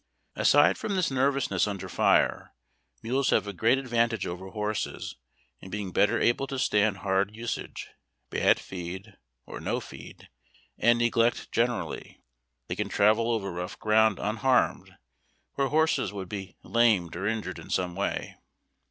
282 HARD TACK AND COFFEE. Aside from this nervousness under fire, nuiles have a great advantage over horses in being better able to stand hard usage, bad feed, or no feed, and neglect generally. They can travel over rough ground unharmed where horses would be lamed or injured in some way.